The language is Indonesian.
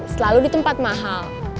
selalu di tempat mahal